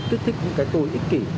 kích thích những cái tôi ích kỷ